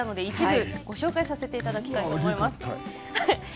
一部ご紹介させていただきます。